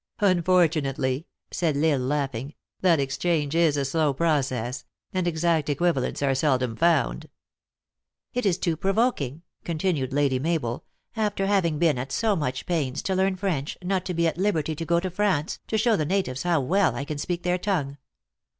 "Unfortunately," said L Isle, laughing, "that ex change is a slow process ; and exact equivalents are seldom found." " It is too provoking," continued Lady Mabel, " after having been at so much pains to learn French, not to be at liberty to go to France, to show the na tives how well I can speak their tongue.